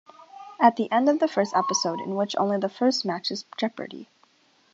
At the end of the first episode, in which only the first match's Jeopardy!